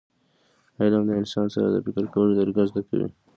علم د انسان سره د فکر کولو طریقه زده کوي.